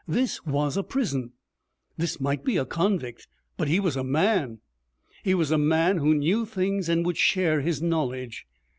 This was a prison. This might be a convict, but he was a man. He was a man who knew things and would share his knowledge.